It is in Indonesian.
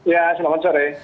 ya selamat sore